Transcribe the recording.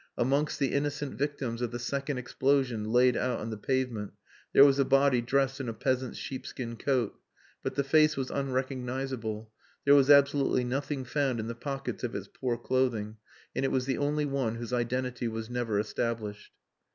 Amongst the innocent victims of the second explosion laid out on the pavement there was a body dressed in a peasant's sheepskin coat; but the face was unrecognisable, there was absolutely nothing found in the pockets of its poor clothing, and it was the only one whose identity was never established.